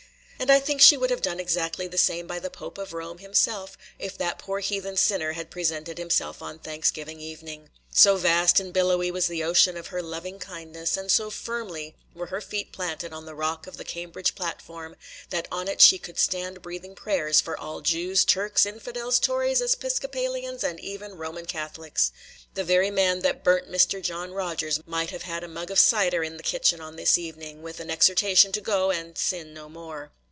And I think she would have done exactly the same by the Pope of Rome himself, if that poor heathen sinner had presented himself on Thanksgiving evening. So vast and billowy was the ocean of her loving kindness, and so firmly were her feet planted on the rock of the Cambridge Platform, that on it she could stand breathing prayers for all Jews, Turks, Infidels, Tories, Episcopalians, and even Roman Catholics. The very man that burnt Mr. John Rogers might have had a mug of cider in the kitchen on this evening, with an exhortation to go and sin no more.